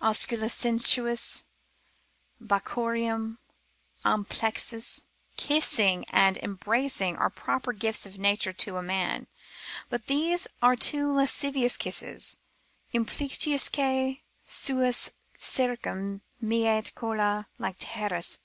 Osculi sensus, brachiorum amplexus, kissing and embracing are proper gifts of Nature to a man; but these are too lascivious kisses, Implicuitque suos circum meet colla lacertos, &c.